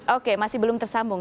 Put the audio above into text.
oke masih belum tersambung